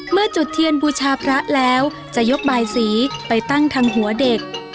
จุดเทียนบูชาพระแล้วจะยกบายสีไปตั้งทางหัวเด็ก